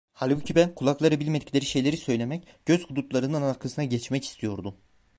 Halbuki ben, kulaklara bilmedikleri şeyleri söylemek, göz hudutlarının arkasına geçmek istiyordum.